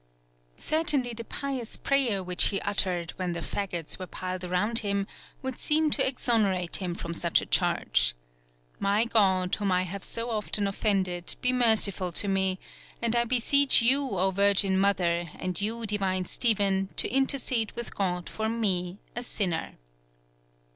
Certainly the pious prayer which he uttered, when the faggots were piled around him, would seem to exonerate him from such a charge: "My God, whom I have so often offended, be merciful to me; and I beseech you, O Virgin Mother, and you, divine Stephen, to intercede with God for me a sinner."